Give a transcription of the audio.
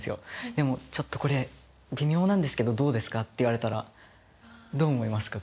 でも「ちょっとこれ微妙なんですけどどうですか？」って言われたらどう思いますか？